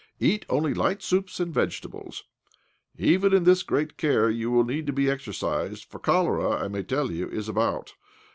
Eat only light soups and vegetables. Even in this great care will need to be exercised, for cholera, I may tell you, is about.